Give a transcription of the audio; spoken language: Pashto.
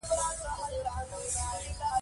دا سبزی د هډوکو لپاره کلسیم لري.